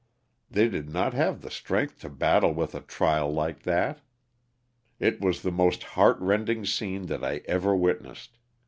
They did not have the strength to battle with a trial like that. It was the most heart rending scene that I ever witnessed.